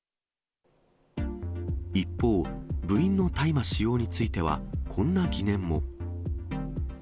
一方、部員の大麻使用については、こんな疑念も。